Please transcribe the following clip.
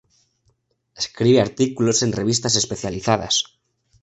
Escribe artículos en revistas especializadas.